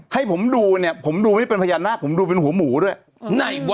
ให้ผมดูเนี่ยผมดูไว้เป็นพญานาคผมดูเป็นหัวหมูด้วย